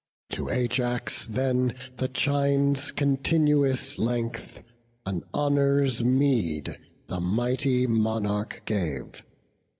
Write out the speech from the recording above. To Ajax then the chine's continuous length, As honour's meed, the mighty monarch gave.